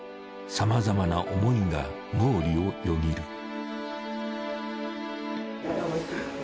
さまざまな思いが脳裏をよぎる。